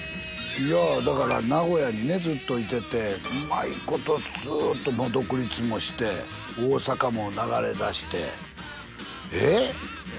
いやだから名古屋にねずっといててうまいことスーッと独立もして大阪も流れ出してえっ！？